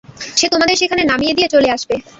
সে তোমাদের সেখানে নামিয় দিয়ে চলে আসবে।